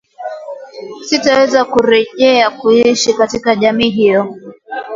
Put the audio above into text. Sitaweza kurejea kuishi katika jamii hiyo